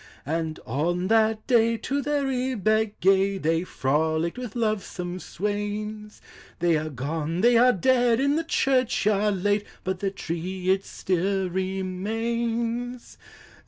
And on that day to the rebeck gay They frolicked with lovesome swains; They are gone, they are dead, in the churchyard laid, But tin 1 tree it still remains.